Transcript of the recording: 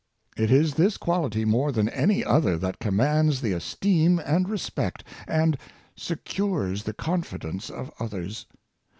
It is this quality more than any other that commands the esteem and respect, and secures the confidence of others.